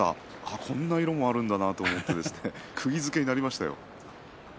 こんな色もあるんだなとくぎづけになりました。